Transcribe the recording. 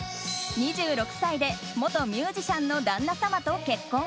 ２６歳で元ミュージシャンの旦那様と結婚。